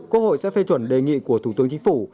quốc hội sẽ phê chuẩn đề nghị của thủ tướng chính phủ